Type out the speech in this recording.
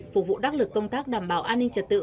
phục vụ đắc lực công tác đảm bảo an ninh trật tự